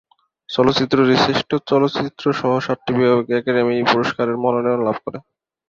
চলচ্চিত্রটি শ্রেষ্ঠ চলচ্চিত্রসহ সাতটি বিভাগে একাডেমি পুরস্কারের মনোনয়ন লাভ করে।